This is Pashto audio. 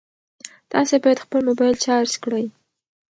تاسي باید خپل موبایل چارج کړئ.